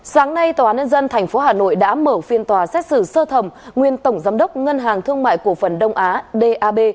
sáng nay tòa án nhân dân tp hà nội đã mở phiên tòa xét xử sơ thầm nguyên tổng giám đốc ngân hàng thương mại cổ phần đông á d a b